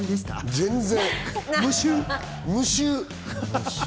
全然。